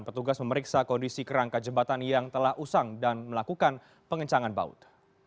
petugas memeriksa kondisi kerangka jembatan yang telah usang dan melakukan pengencangan baut